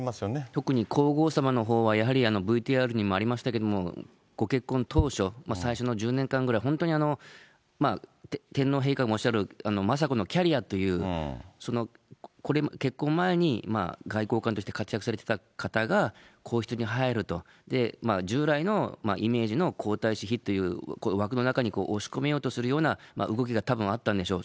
特に皇后さまのほうは、やはりＶＴＲにもありましたけれども、ご結婚当初、最初の１０年間ぐらい、本当に天皇陛下もおっしゃる、雅子のキャリアという、結婚前に外交官として活躍されていた方が皇室に入ると、従来のイメージの皇太子妃という枠の中に押し込めようとする動きがたぶんあったんでしょう。